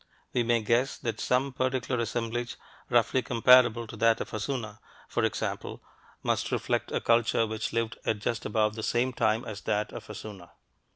We may guess that some particular assemblage, roughly comparable to that of Hassuna, for example, must reflect a culture which lived at just about the same time as that of Hassuna.